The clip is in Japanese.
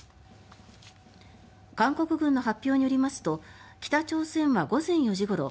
韓国軍の発表によりますと北朝鮮は午前４時ごろ